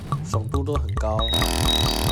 爽度都很高